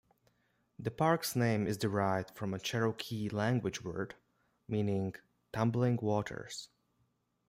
The park's name is derived from a Cherokee language word meaning "tumbling waters".